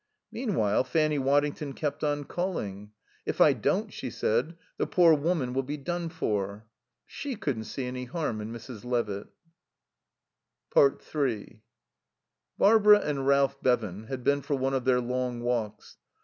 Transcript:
Meanwhile Fanny Waddington kept on calling. "If I don't," she said, "the poor woman will be done for." She couldn't see any harm in Mrs. Levitt. 3 Barbara and Ralph Bevan had been for one of their long walks.